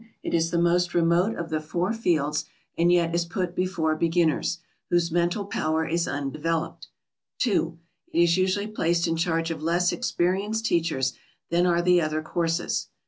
It is the most remote of the four "fields," and yet is put before beginners, whose mental power is undeveloped. 2. It is usually placed in charge of less experienced teachers than are the other courses.